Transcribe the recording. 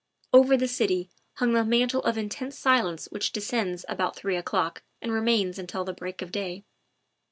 Over the city hung the mantle of intense silence which descends about three o'clock and remains until the break of day.